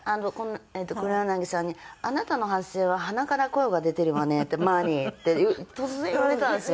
えっと黒柳さんに「あなたの発声は鼻から声が出てるわね」って前に突然言われたんですよ。